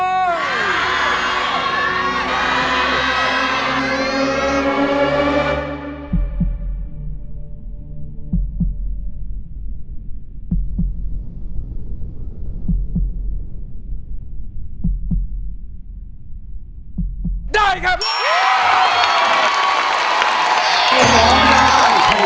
โทษให้โทษให้โทษให้โทษให้โทษให้